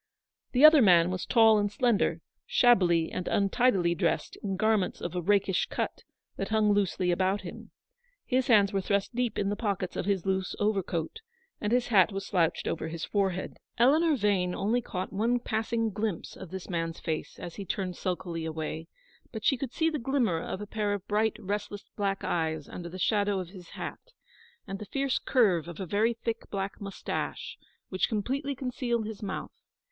The other man was tall and slender, shabbily and untidily dressed in garments of a rakish cut, that hung loosely about him. His hands were thrust deep in the pockets of his loose over 88 Eleanor's victory. coat, and his hat was slouched over his forehead. Eleanor Vane only caught one passing glimpse of this man's face as he turned sulkily away ; but she could see the glimmer of a pair of bright, restless black eyes under the shadow of his hat, and the fierce curve of a very thick black mous tache, which completely concealed his mouth.